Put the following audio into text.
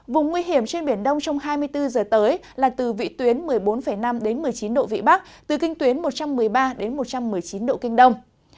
vùng nguy hiểm trên biển đông trong hai mươi bốn giờ tới là từ vị tuyến một mươi bốn năm một mươi chín độ vị bắc từ kinh tuyến một trăm một mươi ba một trăm một mươi chín độ kinh đông